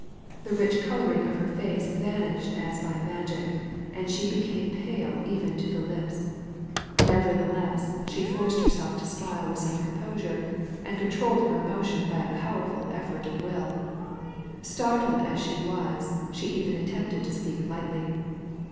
The rich colouring of her face vanished as by magic, and she became pale even to the lips. Nevertheless, she forced herself to smile Digitized by Google KIRKSTONE HALL 91 with some composure, and controlled her emotion by a powerful effort of will Startled as she was, she even attempted to speak lightly.